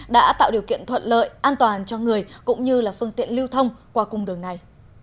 đã tạo điều kiện thuận lợi an toàn cho người cũng như là phương tiện lưu thông qua cung đường này